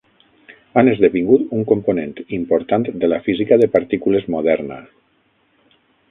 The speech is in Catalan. Han esdevingut un component important de la física de partícules moderna.